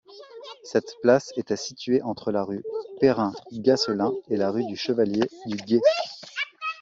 Cette place était située entre la rue Perrin-Gasselin et la rue du Chevalier-du-Guet.